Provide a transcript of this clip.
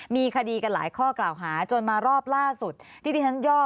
มีคดีกันหลายข้อกล่าวหาจนมารอบล่าสุดที่ที่ฉันย่อ